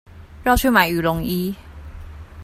繞去買羽絨衣